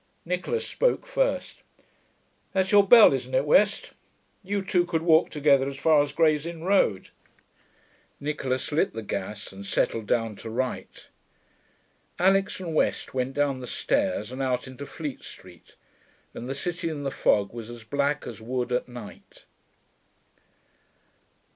Nicholas spoke first. 'That's your bell, isn't it, West? You two could walk together as far as Gray's Inn Road.' Nicholas lit the gas and settled down to write. Alix and West went down the stairs and out into Fleet Street, and the city in the fog was as black as a wood at night.